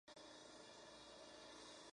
Además, formó parte del once ideal del año.